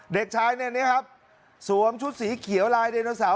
เด็กชายในอันนี้ครับสวมชุดสีเขียวลายเดนโนแซว